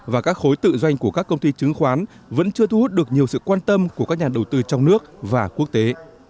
và các khối tự doanh của các công ty chứng khoán vẫn chưa thu hút được nhiều sự quan tâm của các nhà đầu tư trong nước và quốc tế